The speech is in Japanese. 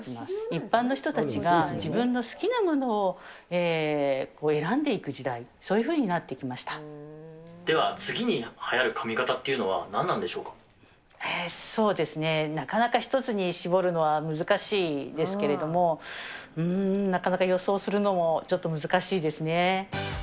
一般の人たちが自分の好きなものを選んでいく時代、では次にはやる髪形っていうそうですね、なかなか１つに絞るのは難しいですけれども、なかなか予想するのもちょっと難しいですね。